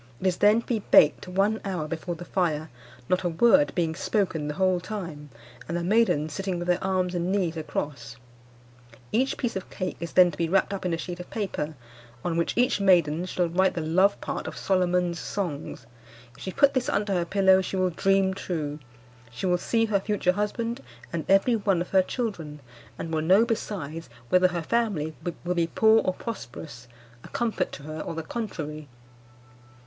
It is then to be baked one hour before the fire, not a word being spoken the whole time, and the maidens sitting with their arms and knees across. Each piece of cake is then to be wrapped up in a sheet of paper, on which each maiden shall write the love part of Solomon's Songs. If she put this under her pillow she will dream true. She will see her future husband and every one of her children, and will know besides whether her family will be poor or prosperous, a comfort to her or the contrary.